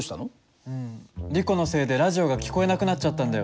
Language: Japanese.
リコのせいでラジオが聞こえなくなっちゃったんだよ。